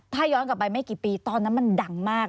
ถ้าย้อนกลับไปไม่กี่ปีตอนนั้นมันดังมาก